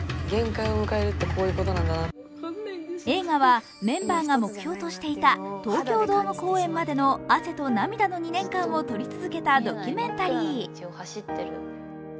映画はメンバーが目標としていた東京ドーム公演までの汗と涙の２年間を撮り続けたドキュメンタリー。